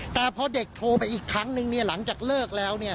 แต่พอเด็กโทรไปอีกครั้งนึงเนี่ยหลังจากเลิกแล้วเนี่ย